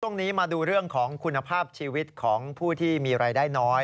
ช่วงนี้มาดูเรื่องของคุณภาพชีวิตของผู้ที่มีรายได้น้อย